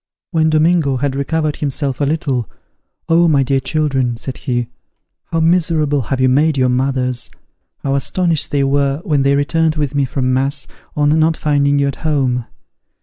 When Domingo had recovered himself a little, "Oh, my dear children," said he, "how miserable have you made your mothers! How astonished they were when they returned with me from mass, on not finding you at home.